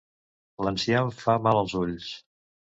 L'enciam fa mal als ulls.